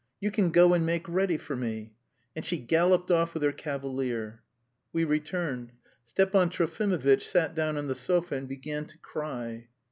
You can go and make ready for me." And she galloped off with her cavalier. We returned. Stepan Trofimovitch sat down on the sofa and began to cry.